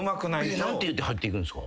何て言って入っていくんですか？